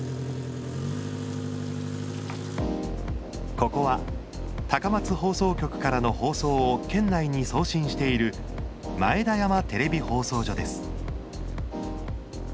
ここは高松放送局からの放送を県内に送信している前田山テレビ放送所です。